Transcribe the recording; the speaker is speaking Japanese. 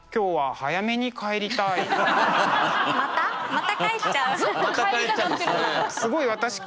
また帰っちゃう？